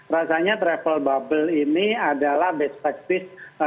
rasanya travel bubble ini adalah best practice